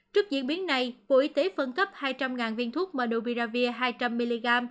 trước diễn biến này bộ y tế phân cấp hai trăm linh viên thuốc mendoviravir hai trăm linh mg